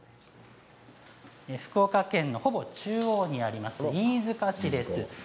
福岡県のほぼ中央にあります飯塚市です。